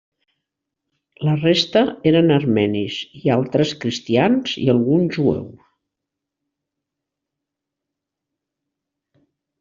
La resta eren armenis, i altres cristians i algun jueu.